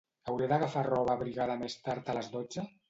Hauré d'agafar roba abrigada més tard a les dotze?